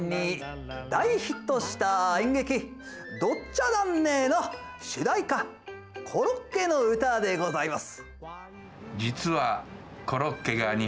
大ヒットした演劇「ドッチャダンネ」の主題歌コロッケの歌でございます。